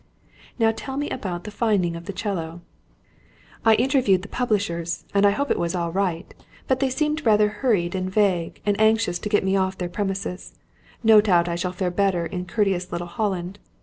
"Now tell me about the finding of the 'cello." "I interviewed the publishers, and I hope it is all right. But they seemed rather hurried and vague, and anxious to get me off the premises. No doubt I shall fare better in courteous little Holland.